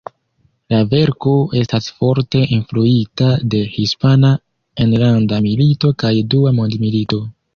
La verko estas forte influita de Hispana enlanda milito kaj Dua mondmilito.